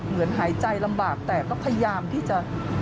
หายใจลำบากแต่ก็พยายามที่จะ